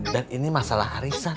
dan ini masalah harisan